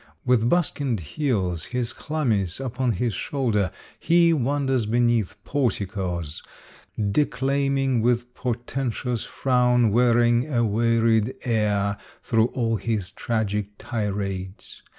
With bus kined heels, his chlamys upon his shoulder, he wanders beneath porticos, declaiming with por tentous frown, wearing a wearied air through all his tragic tirades.